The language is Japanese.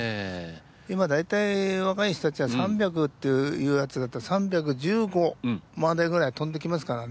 今だいたい若い人たちは３００っていうやつだったら３１５までぐらい飛んできますからね。